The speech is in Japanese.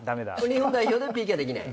日本代表でＰＫはできない？